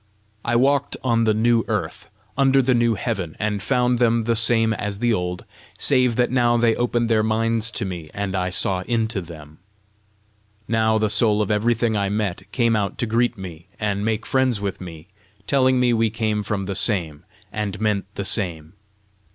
I walked on the new earth, under the new heaven, and found them the same as the old, save that now they opened their minds to me, and I saw into them. Now, the soul of everything I met came out to greet me and make friends with me, telling me we came from the same, and meant the same.